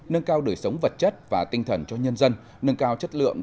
nâng cao đời sống vật chất và tinh thần cho nhân dân nâng cao chất lượng